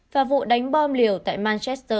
và vụ đánh bom liều tại manchester